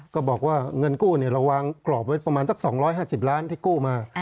ก็บอกว่าเงินกู้เราวางกรอบไว้ประมาณสัก๒๕๐ล้านที่กู้มา